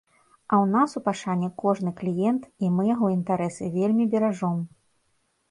У нас у пашане кожны кліент і мы яго інтарэсы вельмі беражом.